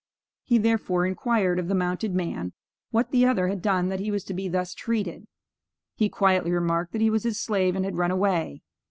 He, therefore, inquired of the mounted man, what the other had done that he was to be thus treated. He quietly remarked that he was his slave and had run away.